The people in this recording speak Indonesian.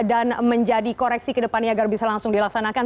dan menjadi koreksi ke depannya agar bisa langsung dilaksanakan